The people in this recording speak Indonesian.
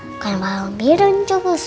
bukan balon biru ncuk cus